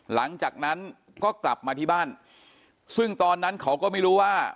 หลังจากนั้นก็กลับมาที่บ้านซึ่งตอนนั้นเขาก็ไม่รู้ว่า